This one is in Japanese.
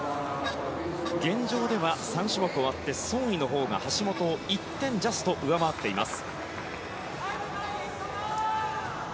現状では３種目終わってソン・イのほうが橋本を１点ジャスト上回っています。